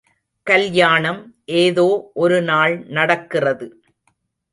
கல்யாணம் ஏதோ ஒரு நாள் நடக்கிறது.